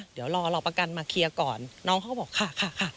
เดี๋ยวรอประกันมาเคลียร์ก่อนน้องเขาก็บอกค่ะค่ะ